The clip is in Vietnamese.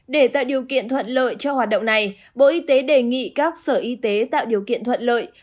để tạo điều kiện thuận lợi cho hoạt động này bộ y tế đề nghị các sở y tế tạo điều kiện thuận lợi